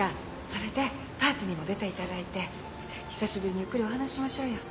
それでパーティーにも出て頂いて久しぶりにゆっくりお話ししましょうよ。